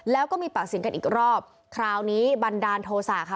แล้วก็มีปากเสียงกันอีกรอบคราวนี้บันดาลโทษะค่ะ